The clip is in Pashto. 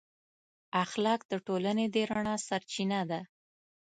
اخلاق د ټولنې د رڼا سرچینه ده.